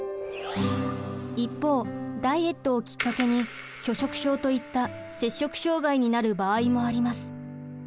一方ダイエットをきっかけに拒食症といった摂食障害になる場合もあります。